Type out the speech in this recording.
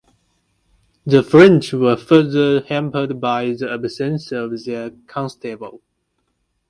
The French were further hampered by the absence of their Constable.